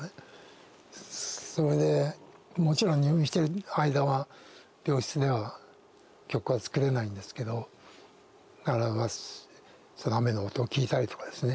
それでもちろん入院してる間は病室では曲は作れないんですけど雨の音を聞いたりとかですね